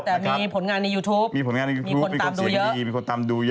แต่มีผลงานในยูทูปมีควรสีดีมีคนตามดูเยอะ